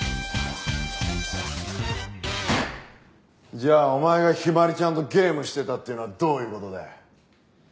じゃあお前が陽葵ちゃんとゲームしてたっていうのはどういう事だ？